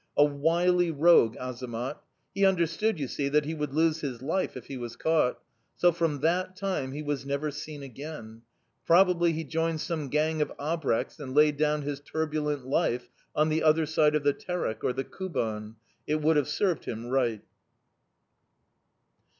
A wily rogue, Azamat! He understood, you see, that he would lose his life if he was caught. So, from that time, he was never seen again; probably he joined some gang of Abreks and laid down his turbulent life on the other side of the Terek or the Kuban. It would have served him right!"...